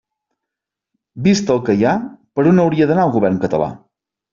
Vist el que hi ha, ¿per on hauria d'anar el Govern català?